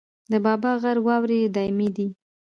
د بابا غر واورې دایمي دي